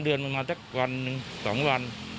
๓เดือนประมาณสักวัน๑๒วัน